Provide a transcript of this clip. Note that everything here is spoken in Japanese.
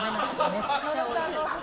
めっちゃおいしいい。